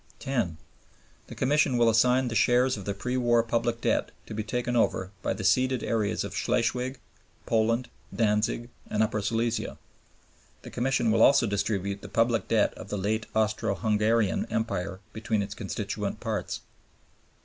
10. The Commission will assign the share of the pre war public debt to be taken over by the ceded areas of Schleswig, Poland, Danzig, and Upper Silesia. The Commission will also distribute the public debt of the late Austro Hungarian Empire between its constituent parts.